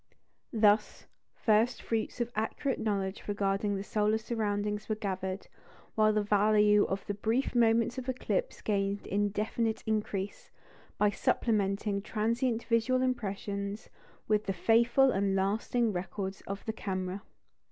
Thus, first fruits of accurate knowledge regarding the solar surroundings were gathered, while the value of the brief moments of eclipse gained indefinite increase, by supplementing transient visual impressions with the faithful and lasting records of the camera.